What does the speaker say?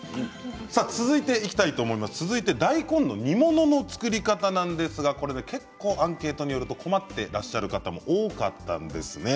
続いて大根の煮物の作り方なんですが結構アンケートによると困ってらっしゃる方も多かったんですね。